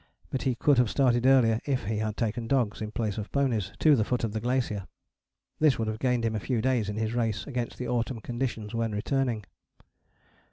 But he could have started earlier if he had taken dogs, in place of ponies, to the foot of the glacier. This would have gained him a few days in his race against the autumn conditions when returning.